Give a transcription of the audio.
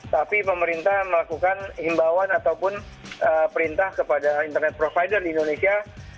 tapi pemerintah melakukan himbauan ataupun perintah kepada internet provider di indonesia